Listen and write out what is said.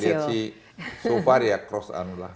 tidak ada saya lihat sih so far ya cross annual lah